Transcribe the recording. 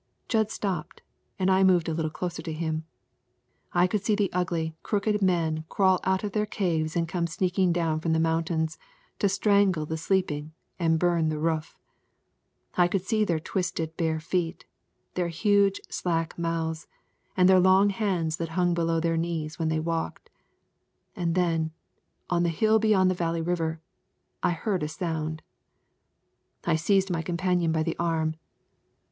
Jud stopped, and I moved up a little closer to him. I could see the ugly, crooked men crawl out of their caves and come sneaking down from the mountains to strangle the sleeping and burn the roof. I could see their twisted bare feet, their huge, slack mouths, and their long hands that hung below their knees when they walked. And then, on the hill beyond the Valley River, I heard a sound. I seized my companion by the arm.